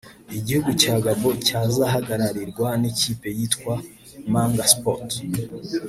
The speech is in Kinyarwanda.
Igihugu cya Gabon cyizahagararirwa n’ikipe yitwa Manga Sport